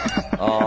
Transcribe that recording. ああ。